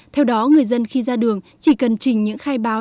theo đó người dân khi ra đường chỉ cần trình những khai báo